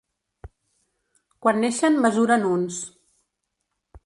Quan neixen mesuren uns.